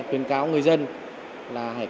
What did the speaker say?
khuyến cáo người dân là hãy